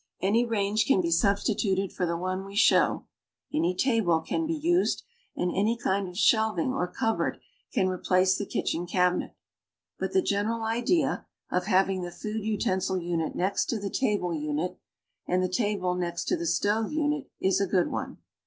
Any range can lie suhstitnted for the one we show, any talilc can he nsed, antl any kintl t)f shelving or cupboard can replace the kitchen cabinet; hut the general idea, of having the food utensil unit next to the tabic unit and the table next to the stove unit, is a good one.